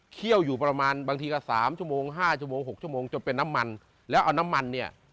ี่ยวอยู่ประมาณบางทีก็สามชั่วโมงห้าชั่วโมงหกชั่วโมงจนเป็นน้ำมันแล้วเอาน้ำมันเนี่ย